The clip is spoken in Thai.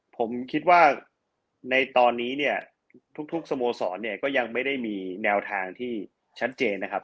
ผมคิดว่าในตอนนี้เนี่ยทุกสโมสรเนี่ยก็ยังไม่ได้มีแนวทางที่ชัดเจนนะครับ